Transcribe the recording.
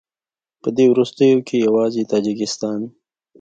په دې وروستیو کې یوازې تاجکستان